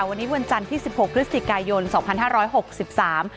วันนี้วันจันทร์ที่สิบหกพฤศจิกายนสองพันห้าร้อยหกสิบสาม